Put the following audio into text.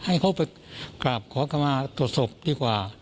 ให้เขาไปกราบขอเข้ามาตรวจศพดีกว่า